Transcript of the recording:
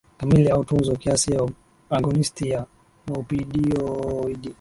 kamili au tunzo kiasi ya agonisti ya muopioidi